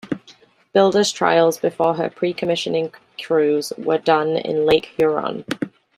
Builders trials before her pre-commissioning cruise were done in Lake Huron.